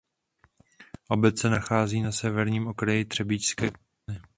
Obec se nachází na severním okraji Třebíčské kotliny.